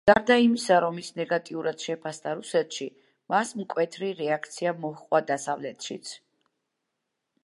გარდა იმისა, რომ ის ნეგატიურად შეფასდა რუსეთში, მას მკვეთრი რეაქცია მოჰყვა დასავლეთშიც.